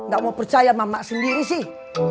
gak mau percaya sama emak sendiri sih